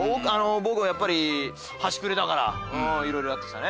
僕もやっぱり端くれだからいろいろやってきたね。